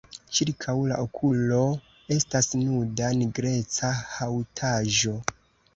Ĉirkaŭ la okulo estas nuda nigreca haŭtaĵo.